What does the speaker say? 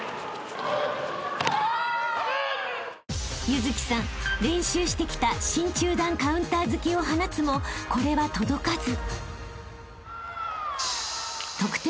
［優月さん練習してきた新中段カウンター突きを放つもこれは届かず］